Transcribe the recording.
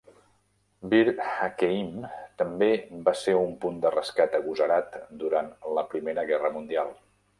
Bir Hakeim també va ser un punt de rescat agosarat durant la Primera Guerra Mundial.